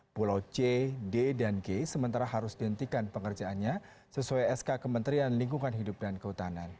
pulau c d dan g sementara harus dihentikan pengerjaannya sesuai sk kementerian lingkungan hidup dan kehutanan